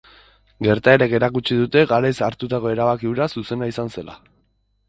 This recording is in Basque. Gertaerek erakutsi dute garaiz hartutako erabaki hura zuzena izan zela.